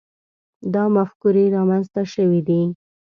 دا مفکورې رامنځته شوي دي.